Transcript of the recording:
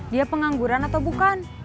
dia pengangguran atau bukan